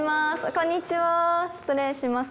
こんにちは失礼します。